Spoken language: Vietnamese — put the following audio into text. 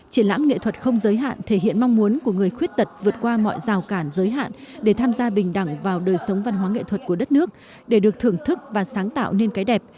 triển lãm nghệ thuật không giới hạn thể hiện mong muốn của người khuyết tật vượt qua mọi rào cản giới hạn để tham gia bình đẳng vào đời sống văn hóa nghệ thuật của đất nước để được thưởng thức và sáng tạo nên cái đẹp